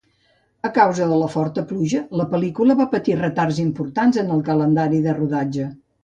A causa de la forta pluja, la pel·lícula va patir retards importants en el seu calendari de rodatge.